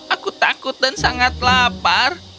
aku takut dan sangat lapar